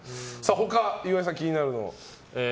他、岩井さん気になるの。